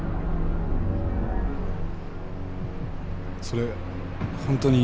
それ本当に。